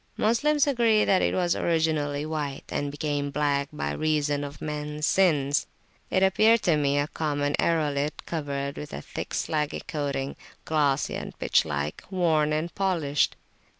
Moslems agree that it was originally white, and became black by reason of mens sins. It appeared to me a common aerolite covered with a thick slaggy coating, glossy and pitch like, worn and polished.